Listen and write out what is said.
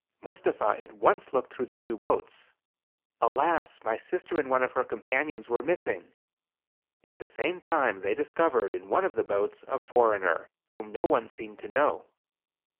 Mustapha at once looked through the two boats. Alas ! my sister and one of her compan ions were missing. At the same time they discovered, in ' one of the boats, a foreigner, whom no one seemed to know.